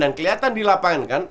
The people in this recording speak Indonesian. dan kelihatan di lapangan kan